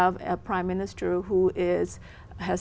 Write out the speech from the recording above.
với một cộng đồng